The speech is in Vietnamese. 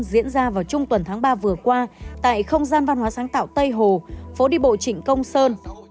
diễn ra vào trung tuần tháng ba vừa qua tại không gian văn hóa sáng tạo tây hồ phố đi bộ trịnh công sơn